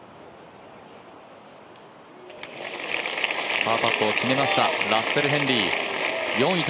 パーパットを決めましたラッセル・ヘンリー。